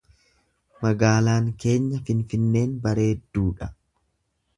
Magaalaan keenya Finfinneen bareedduu dha.